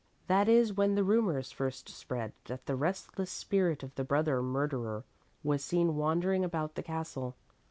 "That is when the rumors first spread that the restless spirit of the brother murderer was seen wandering about the castle.